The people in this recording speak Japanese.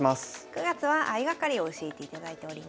９月は相掛かりを教えていただいております。